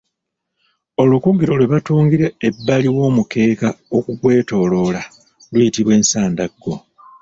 Olukugiro lwe batungira ebbali w’omukeeka okugwetoolooza luyitibwa Ensandaggo.